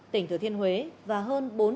tỉnh thừa thiên huế và hơn